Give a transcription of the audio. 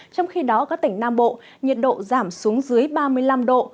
trong khi đó các tỉnh nam bộ nhiệt độ giảm xuống dưới ba mươi năm độ